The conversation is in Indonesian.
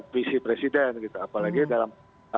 visi presiden apalagi dalam